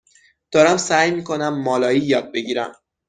دارم سعی می کنم مالایی یاد بگیرم.